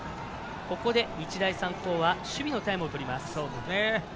ここで、日大三高は守備のタイムをとります。